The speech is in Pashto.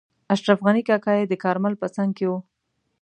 اشرف غني کاکا یې د کارمل په څنګ کې وو.